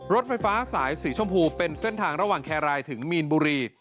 รถไฟฟ้าสายสีชมพูเป็นเส้นทางระหว่างแครรายถึงมีนบุรี